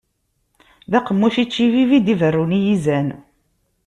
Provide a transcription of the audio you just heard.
D aqemmuc ičibib, i d-iberrun i yizan.